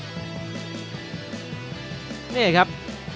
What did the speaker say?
นี้เดี๋ยวครับ